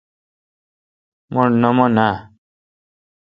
مٹھ نہ من نا۔